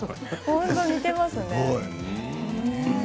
本当に似ていますね。